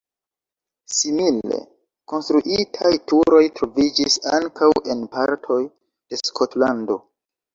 Simile konstruitaj turoj troviĝis ankaŭ en partoj de Skotlando.